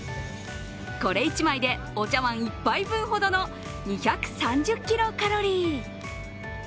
これ１枚で、お茶わん１杯分ほどの２３０キロカロリー。